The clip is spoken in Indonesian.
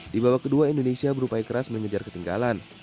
di babak kedua indonesia berupaya keras mengejar ketinggalan